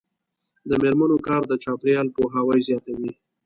د میرمنو کار د چاپیریال پوهاوي زیاتوي.